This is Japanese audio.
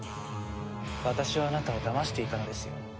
私はあなたをだましていたのですよ？